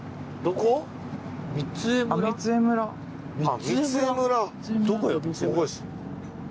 ここです。